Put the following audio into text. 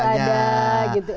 isuernya ada gitu